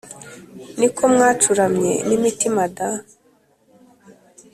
Niko mwacuramye n’imitima da”?